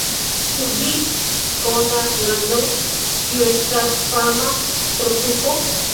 Ĉu vi konas landon, kiu estas fama pro suko?